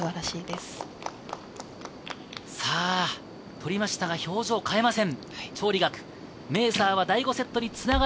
取りましたが表情を変えません。